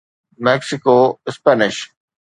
Mexico Spanish